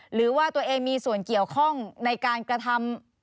หรือว่าตัวเองมีส่วนเกี่ยวข้องในการกระทำ